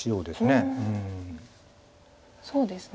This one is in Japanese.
はいそうですね。